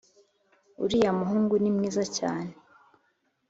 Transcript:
uriya muhungu ni mwiza cyane